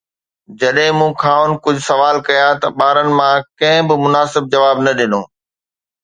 جڏهن مون کانئن ڪجهه سوال ڪيا ته ٻارن مان ڪنهن به مناسب جواب نه ڏنو